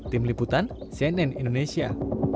tim liputan cnn indonesia